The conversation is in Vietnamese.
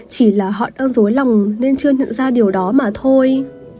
chỉ là họ đang dối lòng nên chưa nhận ra điều đó mà thôi